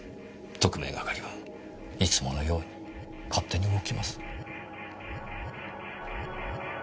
特命係はいつものように勝手に動きます。